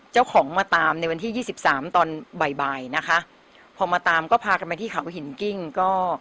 เจ้าของมาตามในวันที่ยี่สิบสามตอนบ่ายบ่ายนะคะพอมาตามก็พากันไปที่เขาหินกิ้งก็